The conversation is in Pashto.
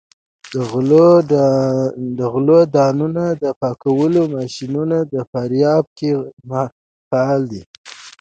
د غلو دانو د پاکولو ماشینونه په فاریاب کې فعال دي.